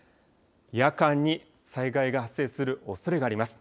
夜間に災害が発生するおそれがあります。